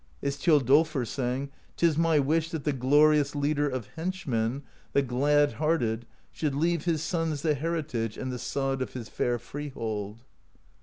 As Thjodolfr sang: 'T is my wish that the glorious Leader Of Henchmen, the Glad hearted, Should leave his sons the heritage And the sod of his fair freehold.